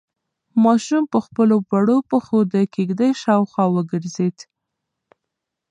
ماشوم په خپلو وړو پښو د کيږدۍ شاوخوا وګرځېد.